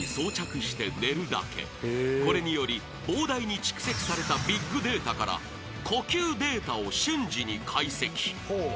［これにより膨大に蓄積されたビッグデータから呼吸データを瞬時に解析］